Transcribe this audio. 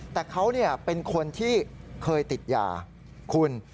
แต่เขาเป็นคนที่เคยติดยาคุณ